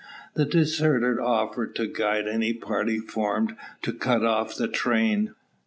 The deserter offered to guide any party formed to cut off the train.